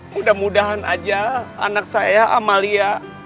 mudah mudahan aja anak saya amalia